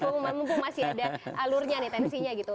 oh mumpung masih ada alurnya nih tensinya gitu